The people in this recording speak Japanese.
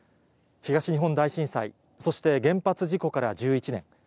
東日本大震災、そして原発事故から１１年。